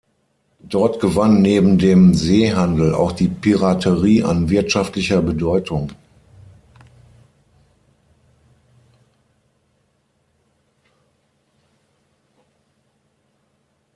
Dort gewann neben dem Seehandel auch die Piraterie an wirtschaftlicher Bedeutung.